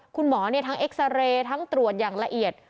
คุณหมอทั้งเอ็กซาเรย์ทั้งตรวจอย่างละเอียด